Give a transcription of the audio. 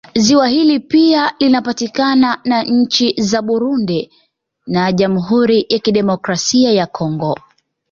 Ziwa hili pia linapakana na nchi za Burundi na jamhuri ya Kidemokrasia ya Congo